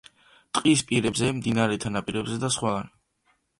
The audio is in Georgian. ტყის პირებზე, მდინარეთა ნაპირებზე და სხვაგან.